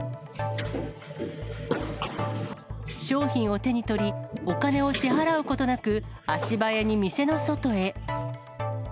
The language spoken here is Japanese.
商品を手に取り、お金を支払うことなく、足早に店の外へ。